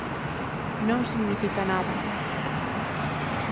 Non significa nada.